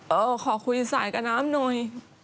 เออขอคุยสายกับน้ำหน่อย